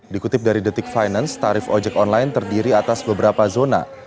dikutip dari detik finance tarif ojek online terdiri atas beberapa zona